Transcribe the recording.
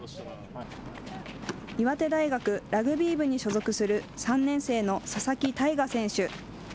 岩手大学ラグビー部に所属する３年生の佐々木大雅選手。